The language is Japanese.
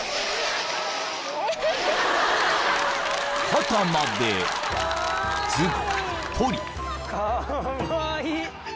［肩までずっぽり］